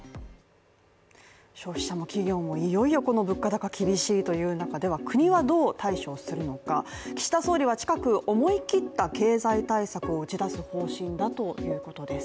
消費者も企業もいよいよ物価高が厳しいという中では国はどう対処するのか、岸田総理は近く思い切った経済対策を打ち出す方針だということです。